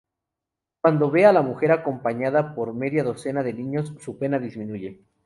Cuando ve a la mujer acompañada por media docena de niños su pena disminuye.